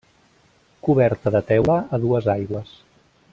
Coberta de teula a dues aigües.